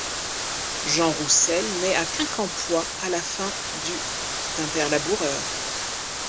Jean Roussel nait à Quincampoix à la fin du d’un père laboureur.